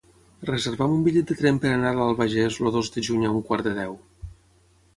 Reserva'm un bitllet de tren per anar a l'Albagés el dos de juny a un quart de deu.